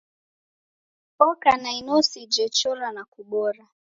Oka na inosi jechora na kubora.